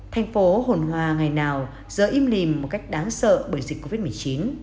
thành phố hồn hoa ngày nào giờ im lìm một cách đáng sợ bởi dịch covid một mươi chín